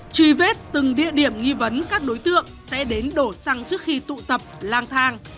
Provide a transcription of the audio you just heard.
truy vết từng địa điểm nghi vấn các đối tượng sẽ đến đổ xăng trước khi tụ tập lang thang